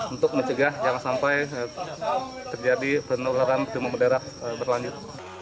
untuk mencegah jangan sampai terjadi penularan demam berdarah berlanjut